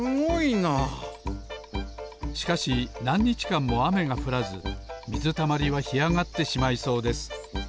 しかしなんにちかんもあめがふらずみずたまりはひあがってしまいそうです。